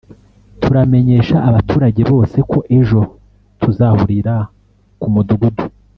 turamenyesha abaturage bose ko ejo tuzahurira ku mudugudu